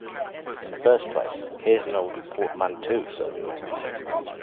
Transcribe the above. "In the first place, here's an old portmanteau, sir," he says.